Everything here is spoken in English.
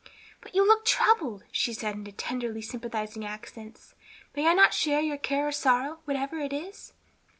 "But you look troubled," she said, in tenderly sympathizing accents. "May I not share your care or sorrow, whatever it is?"